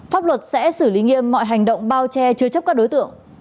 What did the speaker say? pháp luật sẽ xử lý nghiêm mọi hành động bao che chứa chấp các đối tượng